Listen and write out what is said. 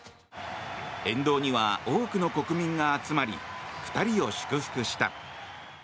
沿道には多くの国民が集まり２人を祝福した。